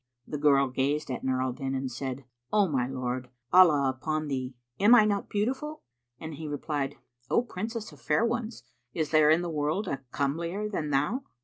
The girl gazed at Nur al Din and said, "O my lord, Allah upon thee, am I not beautiful?"; and he replied, "O Princess of fair ones, is there in the world a comelier than thou?"